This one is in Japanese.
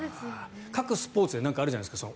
各スポーツであるじゃないですか。